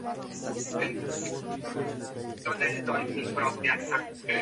Los cuatro mejores en cada semifinal se clasifican para la final 'A'.